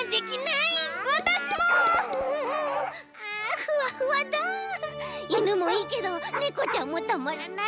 いぬもいいけどねこちゃんもたまらない。